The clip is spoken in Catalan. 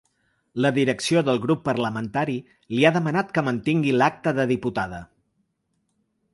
La direcció del grup parlamentari li ha demanat que mantingui l’acta de diputada.